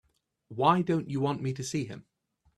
Why don't you want me to see him?